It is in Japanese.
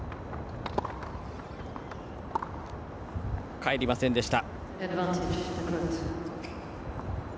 返りませんでした。